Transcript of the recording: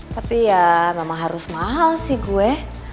tapi ya memang harus mahal sih gue